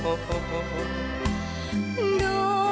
เป็นสะพานทอดรอ